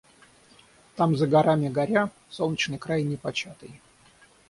Там за горами горя солнечный край непочатый.